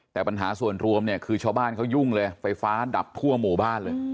แต่ปัญหาส่วนรวมเนี่ยคือชาวบ้านเขายุ่งเลยไฟฟ้าดับทั่วหมู่บ้านเลย